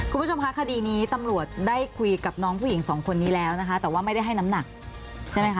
คุณผู้ชมคะคดีนี้ตำรวจได้คุยกับน้องผู้หญิงสองคนนี้แล้วนะคะแต่ว่าไม่ได้ให้น้ำหนักใช่ไหมคะ